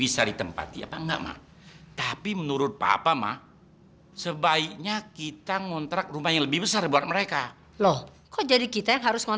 sebulan yang lalu